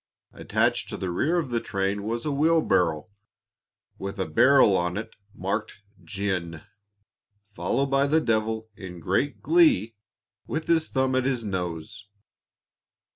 Attached to the rear of the train was a wheelbarrow, with a barrel on it, marked "Gin," followed by the devil, in great glee, with his thumb at his nose.